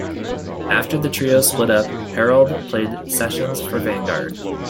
After the trio split up, Herald played sessions for Vanguard.